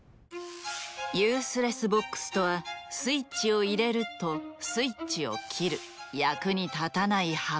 ユースレスボックスとはスイッチを入れるとスイッチを切る役に立たない箱。